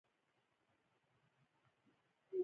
دلته د مرجعیت بحث مطرح کېږي.